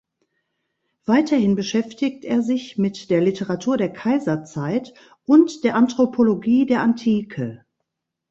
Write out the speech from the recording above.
Weiterhin beschäftigt er sich mit der Literatur der Kaiserzeit und der Anthropologie der Antike.